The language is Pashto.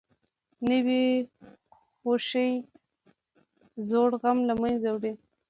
نوې خوښي زوړ غم له منځه وړي